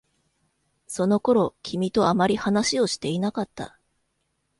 その頃、君とあまり話をしていなかった。